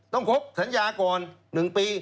ต้องครบสัญญาก่อน๑ปี